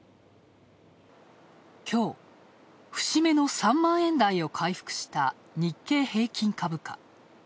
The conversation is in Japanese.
きょう、節目の３万円台を回復した日経平均株価。